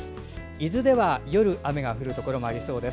伊豆では夜に雨が降るところもありそうです。